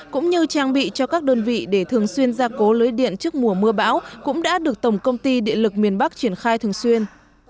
cũng như trang bị cho các đơn vị để thường xuyên gia cố lưới điện trước mùa mưa bão cũng đã được tổng công ty điện lực miền bắc triển khai thường xuyên